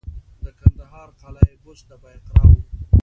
د کندهار قلعه بست د بایقرا وه